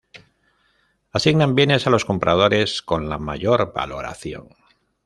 Asignan bienes a los compradores con la mayor valoración.